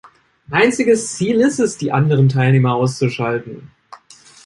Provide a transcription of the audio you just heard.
Einziges Ziel ist es, die anderen Teilnehmer auszuschalten.